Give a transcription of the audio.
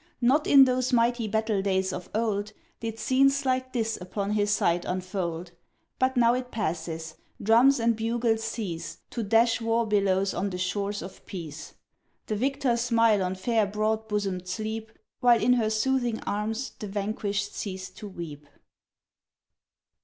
Not in those mighty battle days of old Did scenes like this upon his sight unfold. But now it passes. Drums and bugles cease To dash war billows on the shores of Peace. The victors smile on fair broad bosomed Sleep While in her soothing arms, the vanquished cease to weep.